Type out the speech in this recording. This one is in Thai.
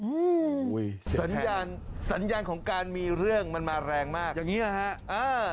อืมสัญญาณสัญญาณของการมีเรื่องมันมาแรงมากอย่างงี้นะฮะเออ